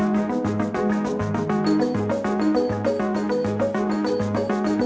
empat juta penjualan